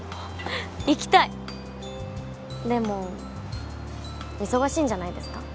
行きたいでも忙しいんじゃないですか？